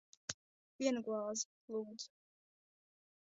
Vienu glāzi. Lūdzu.